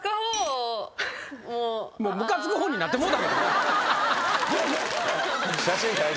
もうムカつく方になってもうたもんな。